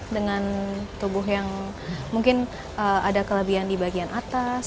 dengan tubuh yang mungkin ada kelebihan di bagian atas